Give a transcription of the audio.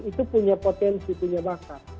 itu punya potensi punya bakar